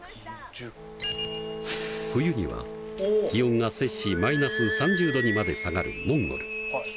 冬には気温が摂氏−３０度にまで下がるモンゴル。